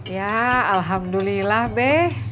ya alhamdulillah be